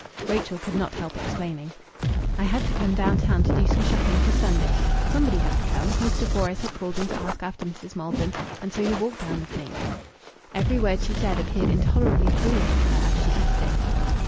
Rachel could not help explaining "I had to come down town to do some shopping for Sunday. Somebody had to come. Mr. Fores had called in to ask after Mrs. Maldon, and so he walked down with me." Every word she said appeared intolerably foolish to her as she uttered it.